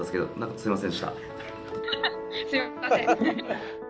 すみません。